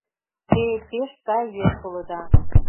Те пеш сай еш улыда.